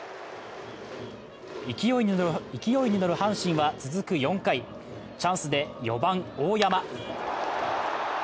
勢いに乗る阪神は続く４回チャンスで４番・大山。